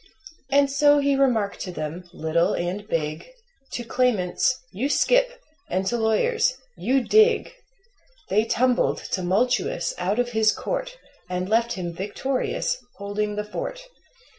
And so he remarked to them, little and big To claimants: "You skip!" and to lawyers: "You dig!" They tumbled, tumultuous, out of his court And left him victorious, holding the fort.